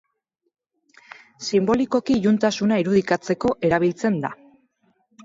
Sinbolikoki iluntasuna irudikatzeko erabiltzen da.